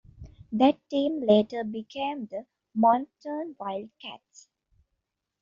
That team later became the Moncton Wildcats.